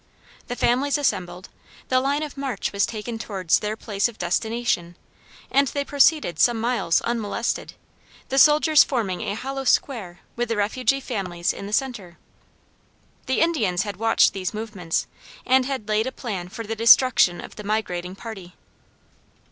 The families assembled; the line of march was taken towards their place of destination, and they proceeded some miles unmolested the soldiers forming a hollow square with the refugee families in the center. The Indians had watched these movements, and had laid a plan for the destruction of the migrating party.